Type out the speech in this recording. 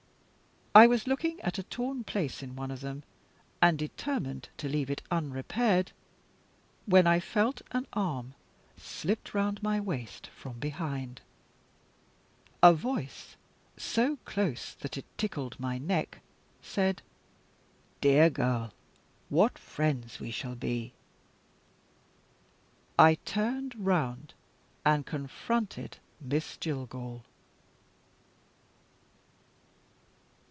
I was looking at a torn place in one of them, and determined to leave it unrepaired, when I felt an arm slipped round my waist from behind. A voice, so close that it tickled my neck, said: "Dear girl, what friends we shall be!" I turned round, and confronted Miss Jillgall.